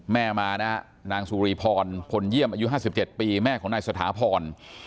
แม่มานะฮะนางสุรีพรพลเยี่ยมอายุ๕๗ปีแม่ของนายสถาพร